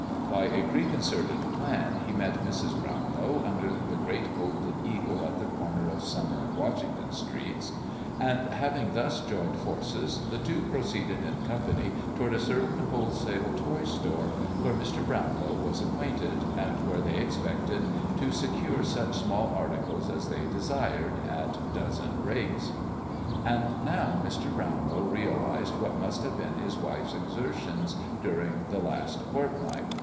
By a preconcerted plan he met Mrs. Brownlow under the great golden eagle at the corner of Summer and Washington streets; and, having thus joined forces, the two proceeded in company toward a certain wholesale toy shop where Mr. Brownlow was acquainted, and where they expected to secure such small articles as they desired, at dozen rates. And now Mr. Brownlow realized what must have been his wife's exertions during the last fortnight.